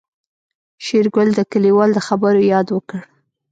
شېرګل د کليوال د خبرو ياد وکړ.